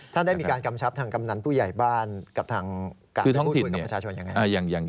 ได้มีการกำชับทางกำนันผู้ใหญ่บ้านกับทางการท้องถิ่นประชาชนยังไง